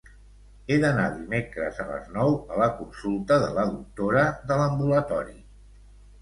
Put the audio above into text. He d'anar dimecres a les nou a la consulta de la doctora de l'ambulatori.